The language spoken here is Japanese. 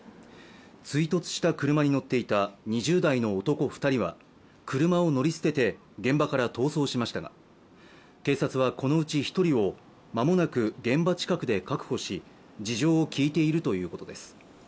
追突した車に乗っていた２０代の男２人は車を乗り捨てて現場から逃走しましたが、警察はこのうち１人を間もなく現場近くで確保し事情を聴いているということです。